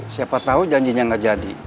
siapa tahu janjinya gak jadi